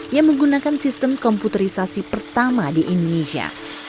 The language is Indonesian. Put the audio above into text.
yang menggunakan sistem komputerisasi pertama di indonesia